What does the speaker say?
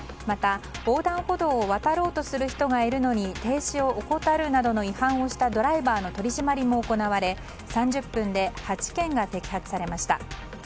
また、横断歩道を渡ろうとする人がいるのに停止を怠るなどの違反をしたドライバーの取り締まりも行われ、３０分で８件が摘発されました。